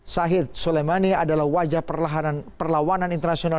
syahid soleimani adalah wajah perlawanan internasional